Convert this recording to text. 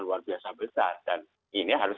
luar biasa besar dan ini harus